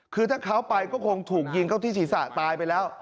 คือถ้าเขาไปก็คงถูกยิงเข้าที่ศีรษะตายไปแล้ว